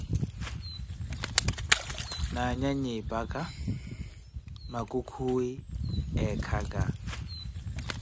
Na anyanyi eepaka, makukhuwi eekaka.